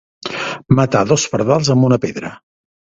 Matar dos pardals amb una pedra.